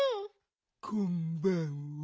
こんばんは。